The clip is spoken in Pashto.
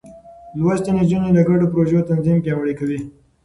لوستې نجونې د ګډو پروژو تنظيم پياوړې کوي.